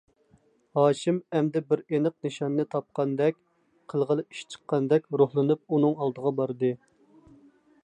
ھاشىم ئەمدى بىر ئېنىق نىشاننى تاپقاندەك، قىلغىلى ئىش چىققاندەك روھلىنىپ، ئۇنىڭ ئالدىغا باردى.